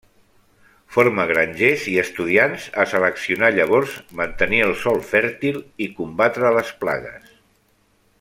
Forma grangers i estudiants a seleccionar llavors, mantenir el sol fèrtil i combatre les plagues.